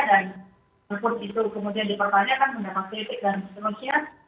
dan kemudian dipakai akan mendapat kritik dan seterusnya